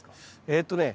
えっとね